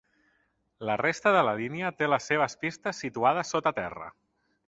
La resta de la línia té les seves pistes situades sota terra.